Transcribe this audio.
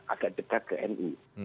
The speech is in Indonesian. agak dekat ke nu